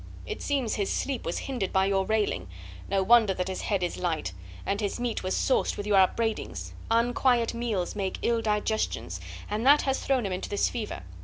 It seems his sleep was hindered by your railing; no wonder that his head is light; and his meat was sauced with your upbraidings; unquiet meals make ill digestions, and that has thrown him into this fever.